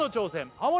ハモリ